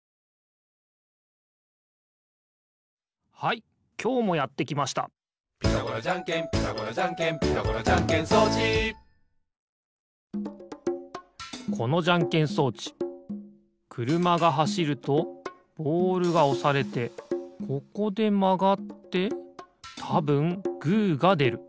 はいきょうもやってきました「ピタゴラじゃんけんピタゴラじゃんけん」「ピタゴラじゃんけん装置」このじゃんけん装置くるまがはしるとボールがおされてここでまがってたぶんグーがでる。